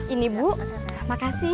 ini bu makasih